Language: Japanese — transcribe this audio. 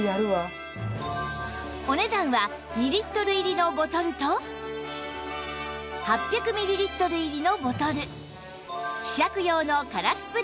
お値段は２リットル入りのボトルと８００ミリリットル入りのボトル希釈用の空スプレー